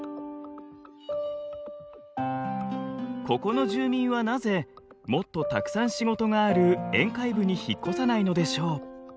ここの住民はなぜもっとたくさん仕事がある沿海部に引っ越さないのでしょう？